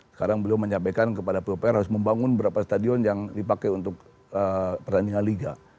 sekarang beliau menyampaikan kepada pupr harus membangun berapa stadion yang dipakai untuk pertandingan liga